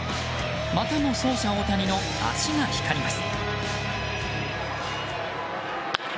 またも走者・大谷の足が光ります。